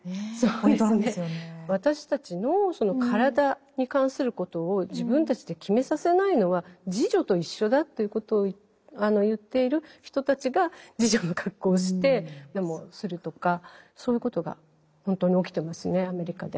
私たちの体に関することを自分たちで決めさせないのは「侍女」と一緒だということを言っている人たちが侍女の格好をしてデモをするとかそういうことが本当に起きてますねアメリカで。